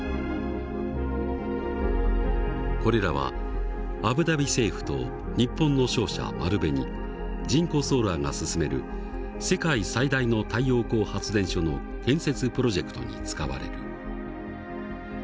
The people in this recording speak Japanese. これらはアブダビ政府と日本の商社丸紅ジンコソーラーが進める世界最大の太陽光発電所の建設プロジェクトに使われる。